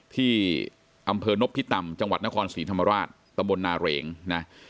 ที่อำเภอนพิตำจังหวัดนครศรีธรรมราชตำบลนาเรงนะ